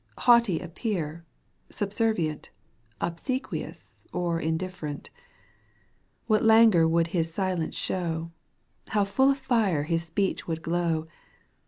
Haughty appear, subservient. Obsequious or indifferent ! What Ismguor would his silence show, How full of fire his speech would glow